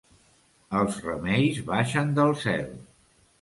Els remeis baixen del cel.